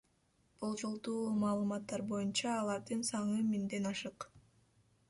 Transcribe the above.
Болжолдуу маалыматтар боюнча, алардын саны миңден ашык.